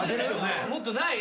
もっとない？ない？